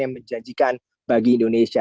yang menjadikan bagi indonesia